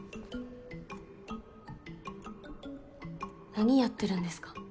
何やってるんですか？